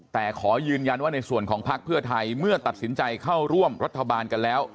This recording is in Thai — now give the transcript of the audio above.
แต่ขอยืนยันว่าในส่วนของพักเพื่อไทยเมื่อตัดสินใจเข้าร่วมรัฐบาลกันแล้ว